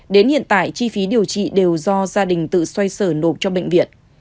đến hiện tại chi phí điều trị đều do gia đình tự xoay sở nộp cho bệnh viện